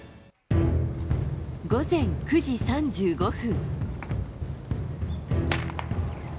午前９時３５分。